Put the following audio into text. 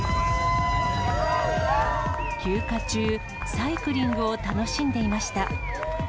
休暇中、サイクリングを楽しんでいました。